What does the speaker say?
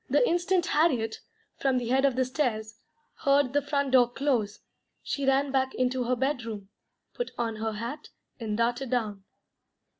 The instant Harriet, from the head of the stairs, heard the front door close, she ran back into her bed room, put on her hat, and darted down.